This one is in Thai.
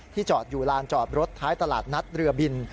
จอดอยู่ลานจอดรถท้ายตลาดนัดเรือบิน